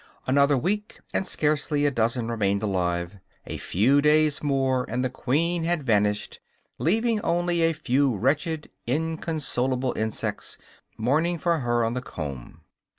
Another week, and scarcely a dozen remained alive; a few days more, and the queen had vanished, leaving only a few wretched, inconsolable insects mourning for her on the comb."